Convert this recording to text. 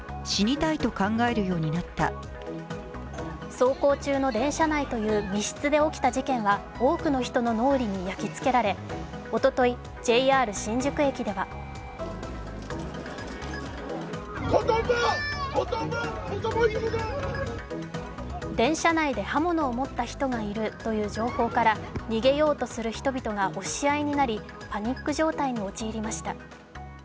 走行中の電車内という密室で起きた事件は多くの人の脳裏に焼きつけられおととい、ＪＲ新宿駅では電車内で刃物を持った人がいるという情報から逃げようとする人々が押し合いになり、パニック状態に陥りました。